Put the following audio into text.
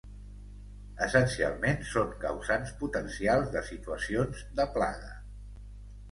Essencialment són causants potencials de situacions de plaga.